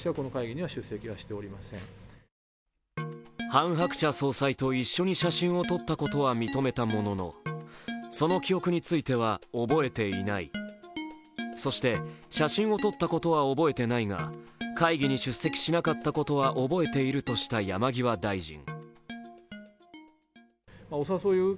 ハン・ハクチャ総裁と一緒に写真を撮ったことは認めたもののその記憶については、覚えていないそして写真を撮ったことは覚えていないが会議に出席しなかったことは覚えているとした山際大臣。